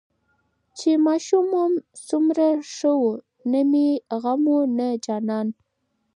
چې ماشوم وم سومره شه وو نه مې غم وو نه جانان.